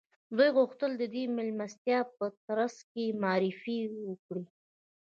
دوی غوښتل د دې مېلمستیا په ترڅ کې معرفي وکړي